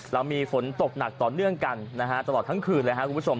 เรามีฝนตกหนักต่อเนื่องกันนะฮะตลอดทั้งคืนเลยครับคุณผู้ชม